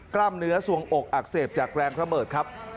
กล้ามเนื้อสวงอกอักเสบจากแรงระเบิดครับ